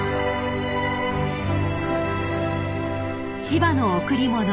［『千葉の贈り物』］